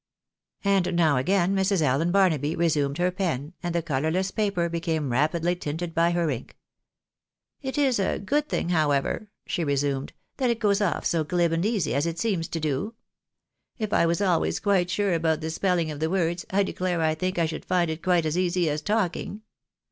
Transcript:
And now again Mrs Allen Barnaby resumed her pen, and the colourless paper became rapidly tinted by her ink. " It is a good thing, however," she resumed, " that it goes off so glib and easy as it seems to do. If I was always quite sure about the spelling of the words, I declare I think I should find it quite as easy as talking.